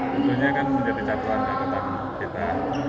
tentunya kan menjadi catuan yang tetap kita